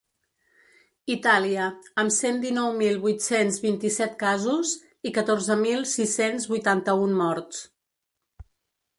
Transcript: Itàlia, amb cent dinou mil vuit-cents vint-i-set casos i catorze mil sis-cents vuitanta-un morts.